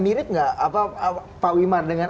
mirip nggak pak wimar dengan